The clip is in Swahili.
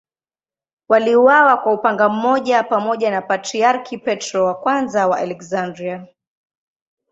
Waliuawa kwa upanga pamoja na Patriarki Petro I wa Aleksandria.